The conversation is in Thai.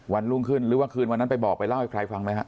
วันรุ่งขึ้นหรือว่าคืนวันนั้นไปบอกไปเล่าให้ใครฟังไหมฮะ